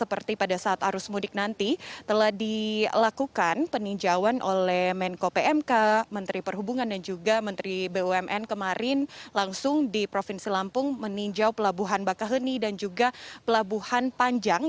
seperti pada saat arus mudik nanti telah dilakukan peninjauan oleh menko pmk menteri perhubungan dan juga menteri bumn kemarin langsung di provinsi lampung meninjau pelabuhan bakaheni dan juga pelabuhan panjang